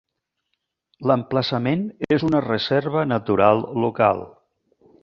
L"emplaçament és una reserva natural local.